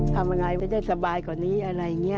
ทำยังไงไม่ได้สบายกว่านี้อะไรอย่างนี้